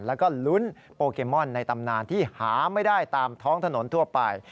แล้วก็ลุ้นโปเกมอนในตำนานที่หาไม่ได้ตามท้องถนนทั่วไป